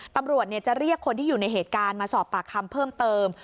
ตำรวจจะเรียกคนที่อยู่ในเหตุการณ์มาสอบปากคำเพิ่มเติม